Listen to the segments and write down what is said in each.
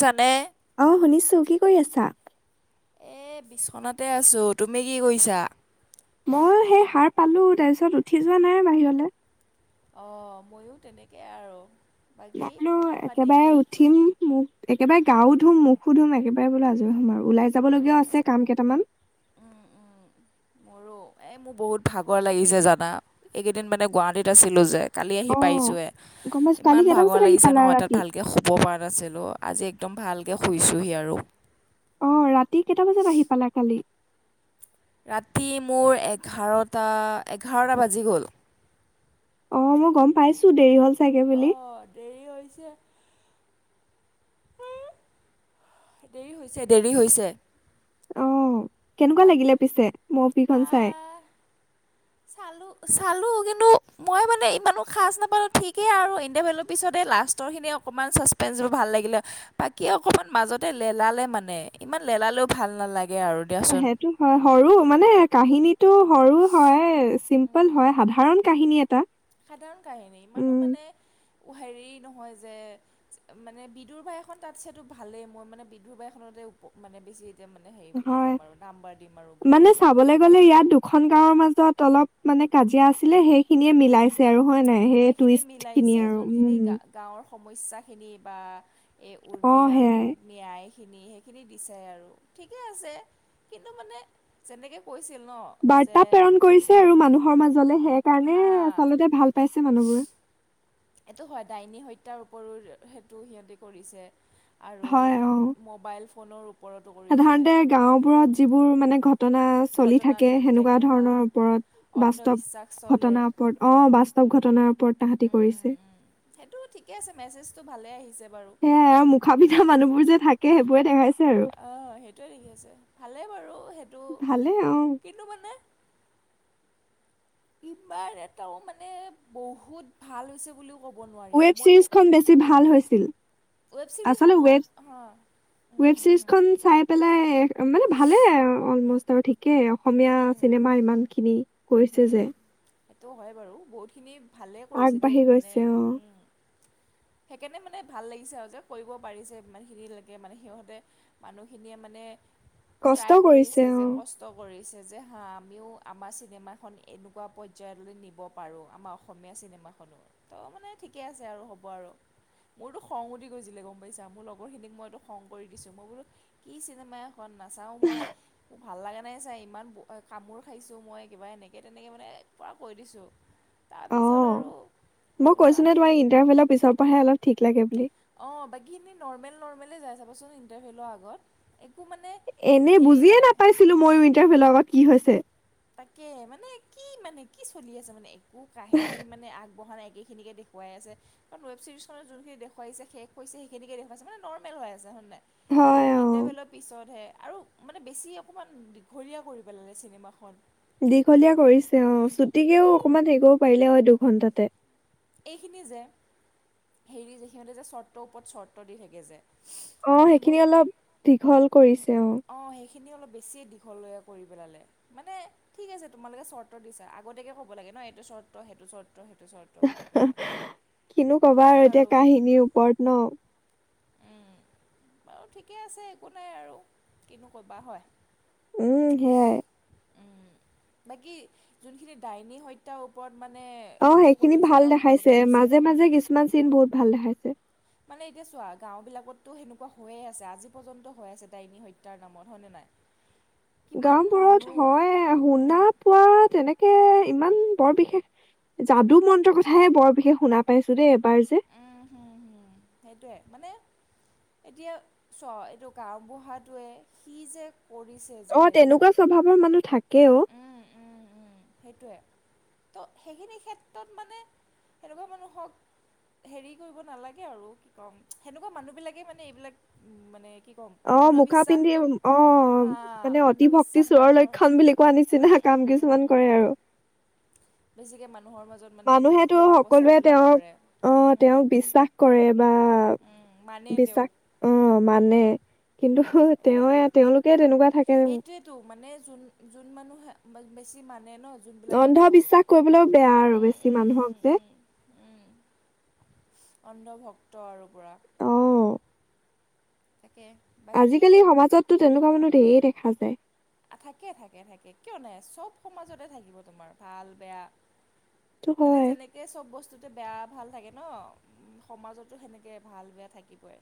জানে। অ' শুনিছোঁ কি কৰি আছা এ বিচনাতে আছো তুমি কি কৰিছা। ময়ো সেই সাৰ পালো তাৰপিছত উঠি যোৱা নাই বাহিৰলৈ অ 'ময়ো তেনেকেই আৰু মই বাকী বোলো খবৰ খাতি একেবাৰে কি উঠিম মোক একেবাৰে গাঁওত ধুম মোখো ধুম একেবাৰে বোলো আজৰি হম আৰু ওলাই যাবলগীয়াও আছে কাম কেইটামান উম -উম মোৰো এই মোৰ বহুত ভাগৰ লাগিছে জানা এইকেইদিন মানে গুৱাহাটীত আছিলোঁ যে কালি আহি অ পাইিছোঁহে গম পাইছো কালি ইমান কেইটা বজাত ভাগৰ আহি লাগিছে পালা নহয় তাত ৰাতি? ভালকৈ শুব পৰা নাছিলোঁ আজি একদম ভালকৈ শুইছোঁহি আৰু অ' ৰাতি কেইটা বজাত আহি পালা কালি ৰাতি মোৰ এঘাৰটা এঘাৰটা বাজি গ'ল আহ মই গম পাইছো দেৰি হল চাগে বুলি উম দেৰি হৈছে দেৰি হৈছে অ। কেনেকুৱা ভাল লাগিলে পিছে মৌফি খ চাই চালো চালো কিন্তু মই মানে ইমানো সাজ নাপালো ঠিকেই আৰু ইণ্টাৰভেলৰ পিছতে। লাষ্টৰ খিনি অকণমান চাচপেঞ্চ বোৰ ভাল লাগিলে বাকী অকণমান মাজতে লেলালে মানে ইমান পেলালেও ভাল নালাগে আৰু দিয়াচোন সেইটো হয় সৰু। মানে কাহিনীটো সৰু হয় চিম্পল হয় সাধাৰণ কাহিনী এটা। সাধাৰণ কাহিনী মানুহ উম মানে। হেৰি নহয় যে মানে বিধুৰ বাই এখন তাত চতটো ভালেই মই মানে বিদুৰ বাইখনত। মানে বেছি এতিয়া মানে হেৰি বুলি হয় ক'ম আৰু নাম্বাৰ দিম আৰু বুলি মানে ক'বলৈ চাবলৈ গলে ইয়াত দুখন গাঁওৰ মাজত অলপ। মানে কাজিয়া আছিলে সেইখিনিয়ে উম মিলাইছে আৰু হয় নাই। সেই সেইখিনি টুইষ্ট কিনি মিলাইছে আৰু যোনখিনি উম। গা গাঁৱৰ সমস্যাখিনি বা এই অ উৰ্মিলা সেয়াই ন্যায় সেইখিনি দিাই আৰু ঠিকে আছে কিন্তু মানে যেনেকে কৈছিল। ন যে বাৰ্তা প্ৰেৰণ কৰিছে আৰু মানুহৰ মাজত। জ্বলে সেইকাৰণে হা চলোতে ভাল পাইছে মানুহবোৰে এইটো হয় ডাইনী হত্যাৰ ওপৰত সেইটো সিহঁতে কৰিছে। হয় অ আৰু মবল ফোন সাধাৰণতে গাওবোৰত যিবোৰ মানে ঘটনা চলি ঘটনা থাকে ঘটি সেনেকুৱা থাকে হা ধৰণৰ ওপৰত। বাস্তৱ অন্ধবিশ্বাস চলে ঘটনাৰ ওপৰত অ বাস্তৱ ঘটনাৰ ওপৰত তাহাঁতি উম কৰিছে উম উম সেইটো ঠিকে আছে মেছেজটো ভালে আহিছে বাৰু সে মুখা পিধা মানুহবোৰ যে থাকে সেইবোৰে দেখাইছে আৰু অঁ সেইটোৱে লখি আছে ভালেই বাৰু সেইটো ভালে অ কিনো মানে ইবাৰ এটাও মানে বহুত ভাল হৈছে বুলি ৱেব ছিৰিজখন বেছি ভাল হৈছিল ৱেব আচল ছিৰিজখনো ৱেব হা উম ৱেব হুম চিৰিজ হুম খ চাই পেলাই মানে ভালেই অলম'ষ্ট আৰু ঠিকেই অসমীয়া উম চিনেমা ইমান খিনি কৈছে উম যে সেইটো হয় বাৰু বহুতখিনি ভালেই কৰিছে দেই আগবাঢ়ি মানে গৈছে অ' উম সেইকাৰণে মানে ভাল লাগিছে আৰু যে কৰিব পাৰিছে ইমানখিনিলৈকে মানে সিহঁতে মানুহখিনিয়ে মানে মানে কষ্ট ট্ৰাই কৰিছে যে অ' কষ্ট কৰিছে যে হা আমিও আমাৰ চিনেমা এনেকুৱা পৰ্যলৈ নিব পাৰোঁ আমাৰ অসমীয়া চিনেমাখনো ত মানে ঠিকে আছে আৰু হ' ওপৰ মোৰতো খং উঠি গৈছিলে গম পাইছা মোৰ লগৰখিনিক মইো খং কৰি দিছো মই বোলো কি চিনেমা এখন নাচাওঁ মই ভাল লগা নাই চাই ইমান কামোৰ খাইছোঁ মই কিবা এনেকৈ এনেকে তেনেকৈ মানে পৰা কৈ দিছোঁ অ তাৰপিছত আৰু মই বোলো আ কৈছো নে ঠিক তোমাৰ ইণ্টাৰভেলৰ পিছৰ পৰাহে অলপ ঠিক লাগে বুলি অ বাকীখিনি নৰ্মেল নৰ্ম যাই চাবচোন ইটাৰভিউ লোৱাৰ আগত মানে এনে হেৰি বুজিয়ে নাই নাপাইছিলো মইো ইণ্টাৰভেলৰ কি হৈছে তাকে মানে কি মানে কি চলি আছে মানে একো কাহিনী মানে আগ বহা নাই আকেখিনিকে দেখুৱাই আছে ৱব ছিৰিজখত যোনখিনি দেখুৱাইছে শেষ পৰিছে সেইখিনিকে দেখুৱাইছোনে নৰ্মেল হয় অ' ইটাৰভেলৰ পিছতহে আৰু মানে বেছি অকণমান দীঘলীয়া কৰি পেলালে চিনেমাখন দীঘলীয়া কৰিছে অ ছুটিকেও অকমান হেৰি কৰিব পাৰিলে হয় দুঘন্টাতে এইখিনি যে হেৰি সিহঁতে যে চৰ্তৰ ওপৰত চৰ্ত দি থাকে যে অ সেই ব সেইখিনি অলপ দীঘল কৰিছে অ' সি অলপ বেছিয়ে দীঘলীয়া কৰি পেলালে মানে ঠিক আছে তোমালোকে চৰ্ট দিছা আগতীয়াকে ক'ব লাগে নহ এইটো চৰ্ত সেইটো চৰ্ত সেইটো চৰ্ত বুলি পিনে কিনো কবা কি আৰু এতিয়া কাহিনীৰ ওপৰত ন উম বাৰু ঠিকে আছে একো নাই আৰু কিনো কবা হয় উম সেয়াই বাকী যোনখিনি ডাইনী হত্যাৰ ওপৰত মানে অ সেইটো সেইখিনি কৰিছে ভাল ন দেখাইছে কৰিছে মাজে মাজে উম কিছুমান চিন বহুত ভাল দেখাইছে মানে এতিয়া চোৱা গাঁও বিলাকততো হেনেকুৱা হৈয়ে আছে আজি পৰ্যন্ত হৈ আছে ডাইনী হত্যাৰ নামত হয় নে নাই কিমান মানুহ গাওবোৰত হয় উম শুনা পোৱা তেনেকে ইমান বৰ বিশেষ যাদু মন্ত্ৰৰ কথাহে বৰ বিশেষ শুনা পাইছো দেই এবাৰ যে উম হম হম সেইটয়ে মানে [inaudible] এতিয়া চ এইটো গাওবুঢ়াটোৱে সি যে কৰিছে যে অ সেইবিলাক তেনেকুৱা স্বভাৱৰ মানুহ থাকে অ উম উম উম সেইটোৱে ত সেইখিনি ক্ষেত্ৰত মানে এনেকুৱা মানুহক হেৰি কৰিব নালাগে আৰু কি কম সেনেকুৱা মানুহ বিলাকে মানে এইবিলাক উ মানে কি [inaudible] অ মুখা পিন্ধি অন্ধবিশ্বাসটো অ হা মানে অতি ভক্তি অন্ধবিশ্বাস চোৰৰ মানুহৰ লক্ষণ বুলি কোৱা নিছিনা নিচিনা কাম কিছুমান কৰে আৰু বেছিকে মান মানুহেতো সকলোৱে তেওঁক কৰে অ উম তেওঁক বিশ্বাস কৰে বা উম মানে বিশ্বাস তেওঁক অ উম মানে কিন্তু তেওঁ তেওঁলোকে তেনেকুৱা থাকে সেইটোয়েতো মানে যোন যোন মানুহে বেছি মানুহ অন্ধবিশ্বাস কৰিবলৈও বেয়া আৰু উম বেছি উম মানুহক উম যে। উম অন্ধভক্ত আৰু পৰা। অ' আজিকালি সমাজতো তেনেকুৱা মানুহ ঢেৰ দেখা যায়। থাকে - থাকে - থাকে কিয় নাই চব সমাজতে থাকিব তোমাৰ ভাল বেয়া। সেইটো মানে হয় যেনেকে চব বস্তু বেয়া ভাল থাকে ন উম, সমাজতো সেনেকে ভাল বেয়া থাকিবই।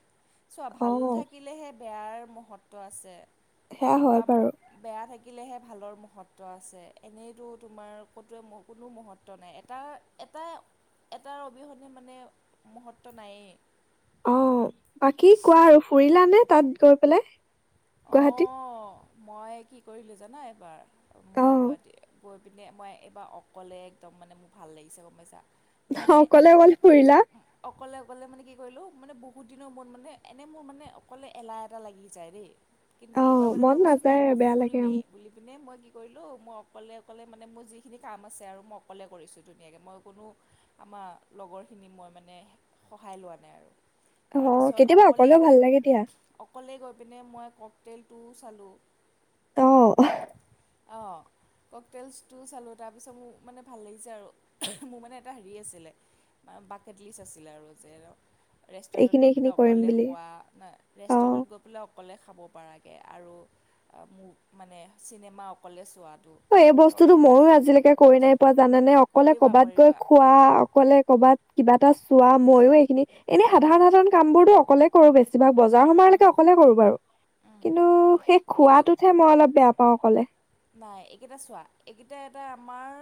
চোৱা অ ভাল থাকিলেহে বেয়াৰ মহত্ব আছে। সেয়া হয় বা বাৰু। বেয়া থাকিলেহে ভালৰ মহত্ব আছে এনেইতো তোমাৰ ক'ত কোনো মহত্ব নাই এটা এটা - এটাৰ অবিহনে মানে মহত্ব নায়েই। অ, বাকী কোৱা আৰু ফুৰিলা নে তাত গৈ পেলাই গুৱাহাটীত? অঁ মই কি কৰিলো জানা এইবাৰ অ মই গুৱাহাটী গৈ পিনে মই এইবাৰ অকলে একদম মানে ভাল লাগিছে গম পাইছা। মোৰ মানে অ, অকলে - অকলে ফুৰিলা। অকলে অকলে মানে কি কৰিলো মানে বহুত দিনৰ মন মানে এনেই মোৰ মানে অকলে এলাহ এটা লাগি যায় দেই। কিন্তু অ এইবাৰ মানে মন মই কৈছো নাই নাযায় মই বেয়া লাগে ফুৰিমেই মোৰ। বুলি পিনে মই কি কৰিলো ত, মই অকলে অকলে মানে মোৰ যিখিনি কাম আছে আৰু মই অকলে কৰিছো ধুনীয়াকৈ মই কোনো আমাৰ লগৰখিনি মই মানে সহায় লোৱা নাই আৰু। অ তাৰপিছত কেতিয়াবা অকলে অকলেও গৈ ভাল লাগে দিয়া। অকলে গৈ পিনে মই কওক হোটেলটোও চালো অ অ, কক টেলছটো চালো তাৰপিছত মোৰ মানে ভাল লাগিছে আৰু মোৰ মানে এটা হেৰি আছিলে পাকেট লিষ্ট আছিলে আৰু যে। ৰেষ্টুৰেণ্টত এইখিনি গৈ এইখিনি পেলাই কৰিম অকলে বুলি। খোৱা না অ ৰেষ্টুৰেণ্টত গৈ পেলাই অকলে খাব। পাৰা কে আৰু মোক মানে চিনেমা অকলে চোৱাত অ, এই বস্তুতো ময়ো আজিলৈকে কৰি নাই পোৱা জানা নে অকলে কৰিবা কৰ'বাত গৈ কৰিবা খোৱা অকলে কৰ'বাত কিবা এটা চোৱা ময়ো এইখিনি এনেই সাধাৰণ সাধাৰণ কাম বোৰতো অকলে কৰো বেছি। কিবা বজাৰ উম, উম। সময়লৈকে অকলে কৰো বাৰু। কিন্তু সেই কিন্তু খোৱাটোতহে মই অলপ বেয়া পাও অকলে নাই এইকেইটা চোৱা এইকেইটা এটা আমাৰ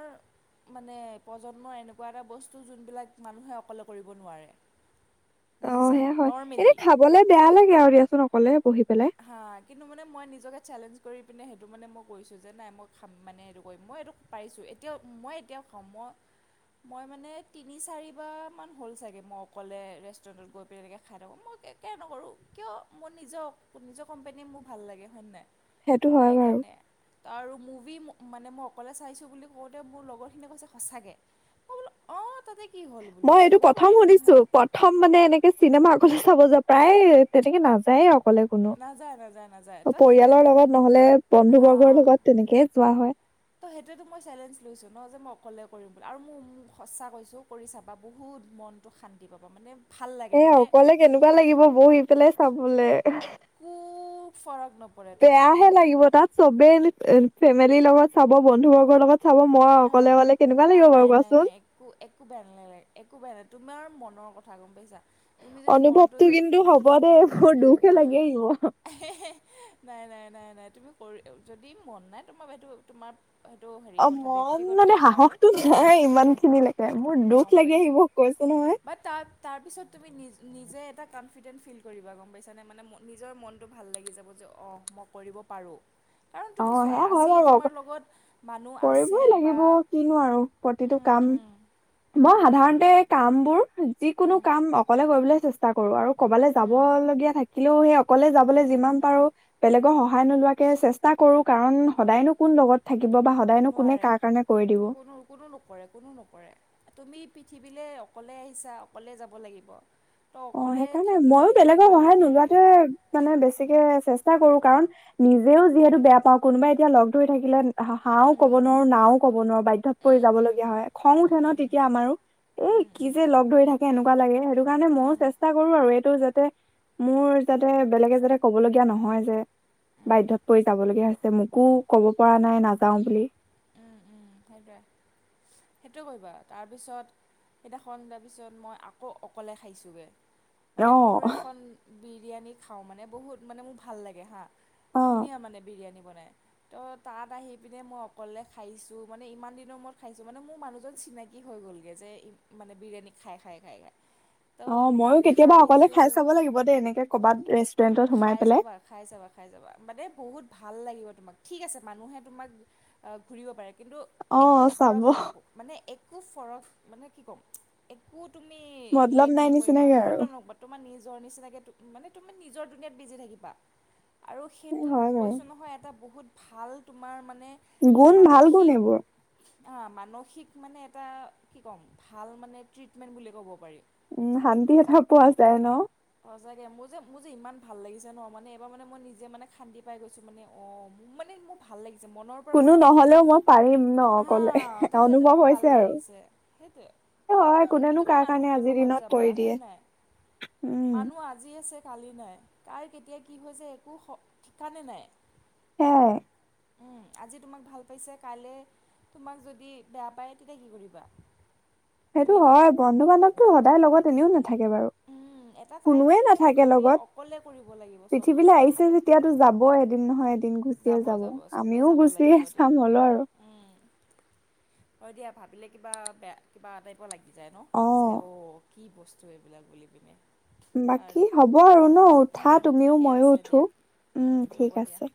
মানে প্ৰজন্মৰ এনেকুৱা এটা বস্তু যোনবিলাক মানুহে অকলে কৰিব নোৱাৰে। অ, বুজিছা সেয়া হয় এনে নৰ্মেলি খাবলে বেয়া লাগে আৰু দিয়াচোন অকলে। বহি পেলাই হা, কিন্তু মানে মই নিজকে চেলেঞ্জ কৰি। পিনে সেইটো মানে মই কৰিছো যে নাই মই খাম মানে সেইটো কৰিম মই এইেইটো পাৰিছো এতিয়াও মই এতিয়াও খাও মই। মই মানে তিনি চাৰিব মান হ'ল চাগে মই অকলে ৰেষ্টুৰেন্টত গৈ খাই থাকো মই। কে নকৰো কিয় মোৰ নিজক নিজৰ কোম্পোনীয়ে মোৰ ভাল লাগে হয় নাই? সেইটো তো হয় বাৰু। সেইকাৰণে আৰু মুভি মানে মই অকলে চাইছো বুলি কওতে মোৰ লগৰখিনিয় কৈছে সচাকৈ। অ, তাতে। কি হ'ল বোলো মই এইটো চাব পাৰি প্ৰথম শুনিছো মানুহে প্ৰথম মানে এনেকে চিনেমা কত। চাব যা প্ৰায় তেনেকে নাযায়ে। অকলে কোনো নাযায় নাযায় নাযায় তো পৰিয়ালৰ সেইটোৱেতো লগত নহলে বন্ধু হা বৰ্গৰ লগত তেনেকেই যোৱা হয়। ত, সেইটো মই চেলেঞ্জ লৈছো ন যে মই অকলে। কৰিম বুলি আৰু মোক সচা কৈছো কৰি চাবা বহুত মনটো শান্তি পাবা মানে। ভাল লাগে এ, মানে অকলে কেনেকুৱা লাগিব বহি পেলাই চাবলে। একো ফৰক নপৰে তোমাৰ বেয়াহে তুমি লাগিব তাত চবেই এ। ফেমিলিৰ লগত চাব বন্ধুবৰ্গৰ লগত। চাব মই অ, অকলে অকলে কেনেকুৱা নাই লাগিব - বাৰু নাই - নাই - কোৱাচোন নাই একো একো বেয়া নালাগে একো বেয়া নাই তোমাৰ মনৰ কথা। গ'ম পাইছা। তুমি যদি মনটো অনুভৱতটো কিন্তু হ'ব দেই মোৰ দুখে লাগি আহিব। হে - হে, নাই - নাই - নাই - নাই তুমি। যদি মন নাই তোমাৰ সেইটো তোমাৰ সেইটো হেৰি কথা ব্য মোৰ মানে সাহসটো নাই ইমানখিনিলেকে। গ'ম পাইছো বাত তাৰ পিছত তুমি নি নিজে এটা কাম কমফিডেণ্ট ফিল কৰিবা গম পাইছানে মানে নিজৰ মনটো ভাল লাগি যাব যে অ মই কৰিব পাৰো। কাৰণ অ তুমি চোৱা সেয়া হয় আজি বাৰু তোমাৰ লগত মানুহ আছে কৰিবই বা লাগিব কিনো আৰু প্ৰতিটো কাম উম মই সাধাৰণতে কামবোৰ যিকোনো উম কাম অকলে কৰিবলে চেষ্টা কৰো আৰু ক'বালে উম যাবলগীয়া থাকিলেও সেই অকলে যাবলে উম যিমান হুম পাৰো বেলেগৰ সহায় নোলোৱাকে চেষ্ট কাৰণ হুম সদায়নো কোন লগত থাকিব বা সদায়নো কোনে নোৱাৰে কাৰ কাৰণে কৰি দিব। কোনো কোনো নকৰে কোনো নকৰে তুমি পৃথিৱীলৈ অকলে আহিছা অকলে যাব লাগিব। তো অ অকলে সেইকাৰণে মইয়ো থাকিবলৈ বেলেগৰ শিকিবও সহায় লাগে নোলোৱাতে কেতিয়াবা মানে বেছিকে চেষ্টা কৰো কাৰণ নিজেও যিহেতু বেয়া পাওঁ কোনোবাই এতিয়া লগ ধৰি থাকিলে হাও ক'ব উম নোৱাৰো নাও ক'ব নোৱাৰো বাধ্যত পৰি উম যাবলগীয়া উম হয় খং উঠে উম ন উম তেতিয়া আমাৰো। এই উম কি উম যে লগ ধৰি থাকে এনেকুৱা লাগে সেইটো কাৰণে উম মইয়ো উম কৰো আৰু এইটো যাতে মোৰ যাতে বেলেগে যাতে ক'ব লগীয়া নহয় নহয় যে উম বাধ্যত পৰি যাবলগীয়া হৈছে মোকো কব পৰা নাই নাযাও বুলি। উম উম সেইটোয়ে সেইটোয়ে কৰিবা তাৰপিছত সেইদিনাখন যাৰ পিছত মই আকৌ অকলে খাইছোগে। মানে অ মোৰ এখন বিৰিয়ানী খাওঁ মানে বহুত মানে মোৰ ভাল লাগে হা। অ ধুনীয়া মানে বিৰিয়ানী বনাই ত' তাত আহি পিনে মই অক কলে খাইছো মানে ইমান দিনৰ মূৰত খাইছো মানে মোৰ মানুহজন চিনাকি হৈ গ'লগে যে মানে বিৰিয়ানী খাই খাই খাই খাই। তো অ' তাত মইয়ো কেতিয়াবা অকলে খাইছোঁ খাই চাব লাগিব দেই এনেকে ক'বাত ৰেষ্টু খাই চাবা খাই চাবা খাই চাবা মানে বহুত ভাল লাগিব তোমাক ঠিক আছে মানুহে তোমাক ঘূৰিব পাৰে কিন্তু অ একো চাব ফৰক নপৰে মানে এ কো ফৰক মানে কি ক'ম একো তুমি মতলব ৰিয়েক্ট নাই নকৰিবা নিচিনাকে আৰু। মতম নকবা তোমাৰ নিজৰ নিচিনাকে মানে তুমাৰ নিজৰ সেই বিজি থাকিবা আৰু সি এ তোক হয় বাৰু। কৈছো নহয় এটা বহুত ভাল তোমাৰ মান গুণ ভাল গুণ এইবোৰ। মানসিক মানে এটা কি ক'ম ভাল মানে ট্ৰিটমেণ্ট বুলি ক'ব পাৰি। উম শান্তি এটা পোৱা যায় ন? সচাগে মোৰ যে মোৰ যে ইমান ভাল লাগিছে ন মানে এবাৰ মানে মই নিজে মানে শান্তি পাই গৈছো মানে অ মোৰ মানে মোৰ ভাল লাগি ছে মনৰ পৰা কোনো মানে নহলেও পাৰিম ন মই হা অকলে তই সেইটো অনুভৱ মোৰ হৈছে ভাল আৰু। লাগিছে সেইটোৱে। হয় ইমান কোনেনো তুমি কাৰ কাৰণে মানুহৰ আজিৰ লগত দিনত যাবা কৰি হয় দিয়ে। নাই উম মানুহ আজি আছে কালি নাই কাৰ কেতিয়া কি হৈছে একো ঠিকানে নাই। হে? উম আজি তোমাক ভাল পাইছে কাইলে তোমাক যদি বেয়া পায় তেতিয়া কি কৰিবা? [inaudible] সেইটো তুমিতো হয় বন্ধু-বান্ধৱটো সদায় লগত এনেও নাথাকে বাৰু। উম, এটা টাইম কোনোৱে আহি যাব নাথাকে তুমি লগত অকলে কৰিব লাগিব চব পৃথিৱীলে বস্তু আহিছে যেতিয়াটো যাবয়ে এদিন নহয় এদিন। দিন গুচিয়ে যাব চবেই আমিও যাব গুচিয়ে লাগিব এদিন চাম হলেও আৰু। উম, হয় দিয়া ভাবিলে কিবা বেয়া কিবা টাইপৰ লাগি যায় ন অ যে অ' কি বস্তু এইবিলাক বুলি পিনে। বাকী বাৰু হ'ব আৰু ন উঠা তুমিও ঠিকে মইয়ো আছে উঠো, দিয়া উম হ'ব ঠিক দিয়া। আছে।